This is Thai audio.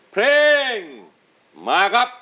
เพลงมาครับ